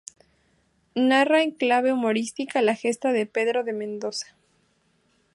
Narra en clave humorística la gesta de Pedro de Mendoza.